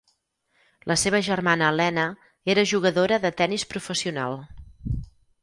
La seva germana Elena era jugadora de tennis professional.